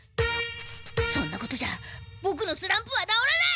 そんなことじゃボクのスランプは直らない！